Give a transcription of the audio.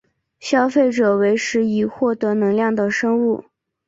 消费者为食以获得能量的生物。